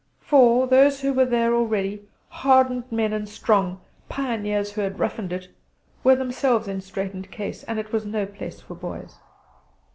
For, those who were there already hardened men and strong, pioneers who had roughed it were themselves in straitened case, and it was no place for boys.